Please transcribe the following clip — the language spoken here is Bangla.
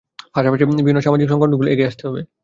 পাশাপাশি বিভিন্ন সামাজিক সংগঠনগুলোকেও এগিয়ে আসতে হবে।